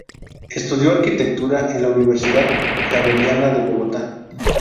Estudió Arquitectura en la Universidad Javeriana de Bogotá.